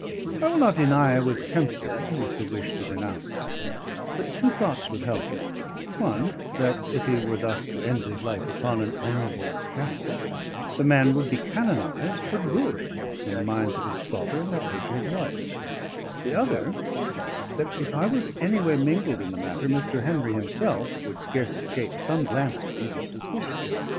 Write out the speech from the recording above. I will not deny I was tempted with the wish to denounce him; but two thoughts withheld me: one, that if he were thus to end his life upon an honourable scaffold, the man would be canonised for good in the minds of his father and my patron's wife; the other, that if I was anyway mingled in the matter, Mr. Henry himself would scarce escape some glancings of suspicion.